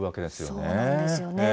そうなんですよね。